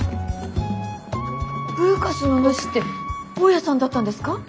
ブーカスのヌシって大家さんだったんですか。